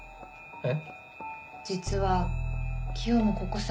えっ？